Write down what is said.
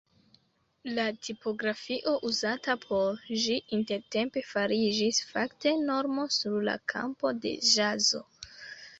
La tipografio uzata por ĝi intertempe fariĝis fakte normo sur la kampo de ĵazo.